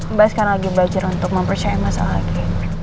mbak sekarang lagi belajar untuk mempercayai masalah lagi